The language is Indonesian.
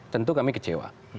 tentu kami kecewa